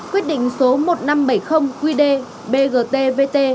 quyết định số một nghìn năm trăm bảy mươi qdbgtvt